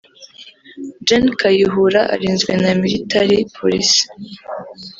Gen Kayihura arinzwe na militari polisi